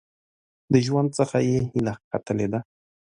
د ژوند څخه یې هیله ختلې ده .